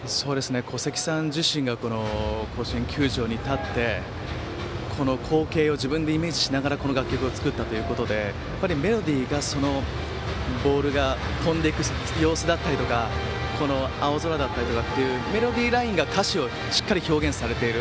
古関さん自身が甲子園球場に立ってこの光景を自分でイメージしながらこの楽曲を作ったということでボールが飛んでいく様子だったりとか青空だったりとかメロディーラインが歌詞をしっかり表現されている。